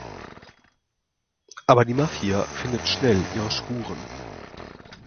Aber die Mafia findet schnell ihre Spuren.